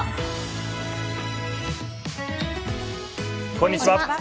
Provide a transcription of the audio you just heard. こんにちは。